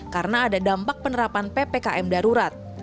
karena ada dampak penerapan ppkm darurat